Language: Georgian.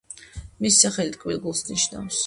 მისი სახელი „ტკბილ გულს“ ნიშნავს.